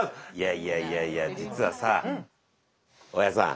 いやいやいや実はさ大家さん。